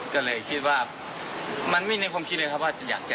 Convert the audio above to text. ก็เลยคิดว่ามันไม่มีในความคิดเลยครับว่าจะอยากจะ